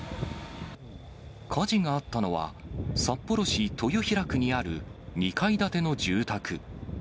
火事があったのは、札幌市豊平区にある２階建ての住宅。